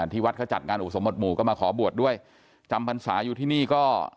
ที่วัดเขาจัดงานอุสมบทหมู่ก็มาขอบวชด้วยจำพรรษาอยู่ที่นี่ก็